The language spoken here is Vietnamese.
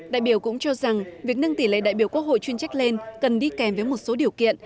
đại biểu cũng cho rằng việc nâng tỷ lệ đại biểu quốc hội chuyên trách lên cần đi kèm với một số điều kiện